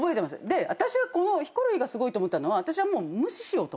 で私はヒコロヒーがすごいと思ったのは私はもう無視しようと思って。